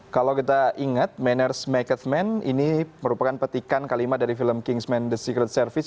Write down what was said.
kalau kita ingat manners mekesman ini merupakan petikan kalimat dari film kingsman the secret service